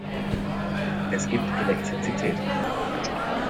Es gibt Elektrizität.